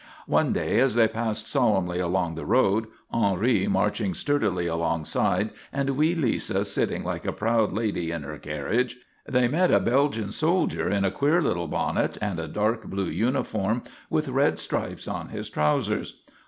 One day, as they passed solemnly along the road, Henri marching sturdily alongside and wee Lisa sitting like a proud lady in her carriage, they met a Belgian soldier in a queer little bonnet and a dark blue uniform with red stripes on his trousers.